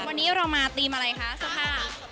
วันนี้เรามาธีมอะไรคะสภาพ